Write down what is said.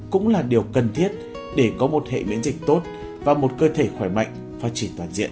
cũng là điều cần thiết để có một hệ miễn dịch tốt và một cơ thể khỏe mạnh phát triển toàn diện